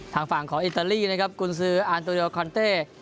ทางฝั่งของอิตาลีนะครับกุญซืออานโตโยคอนเต้